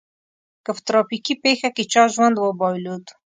که په ترافيکي پېښه کې چا ژوند وبایلود.